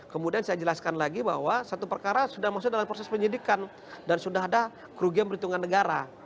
kemudian saya jelaskan lagi bahwa satu perkara sudah masuk dalam proses penyidikan dan sudah ada kerugian perhitungan negara